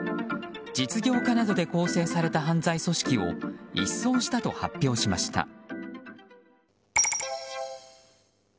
実業家などで構成された犯罪組織を一掃したと発表しました。